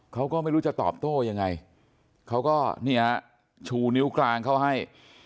เขาก็ไม่รู้จะตอบโต้ยังไงเขาก็เนี่ยชูนิ้วกลางเขาให้